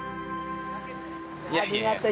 ありがとう。